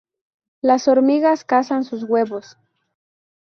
Las hormigas cazan sus huevos.